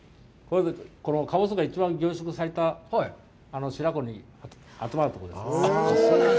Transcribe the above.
このかぼすが一番凝縮された白子に集まるところです。